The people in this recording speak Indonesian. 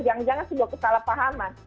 jangan jangan sudah kesalahpahaman